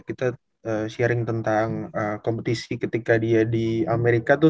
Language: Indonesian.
kita sharing tentang kompetisi ketika dia di amerika tuh